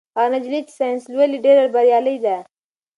هغه نجلۍ چې ساینس لولي ډېره بریالۍ ده.